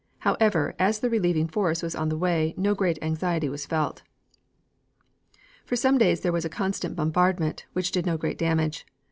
However, as the relieving force was on the way, no great anxiety was felt. For some days there was constant bombardment, which did no great damage.